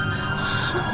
aku mau kasih anaknya